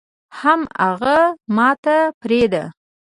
حم اغه ماته پرېده.